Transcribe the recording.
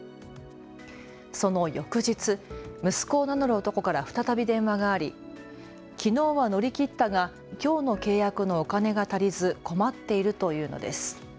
その翌日、息子を名乗る男から再び電話がありきのうは乗り切ったがきょうの契約のお金が足りず困っていると言うのです。